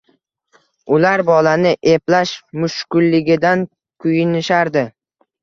Ular bolani eplash mushkulligidan kuyinishardi.